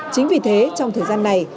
chính vì thế trong thời gian này